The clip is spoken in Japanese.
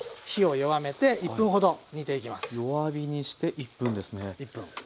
弱火にして１分ですね。